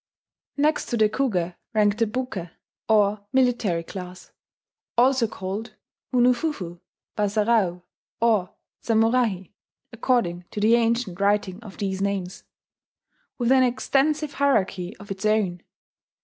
Next to the Kuge ranked the Buke, or military class, also called Monofufu, Wasarau, or Samurahi (according to the ancient writing of these names), with an extensive hierarchy of its own.